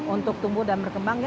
untuk tumbuh dan berkembang